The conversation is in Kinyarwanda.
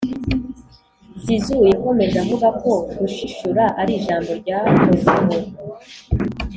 zizou yakomeje avuga ko ‘gushishura’ ari ijambo ryahozeho,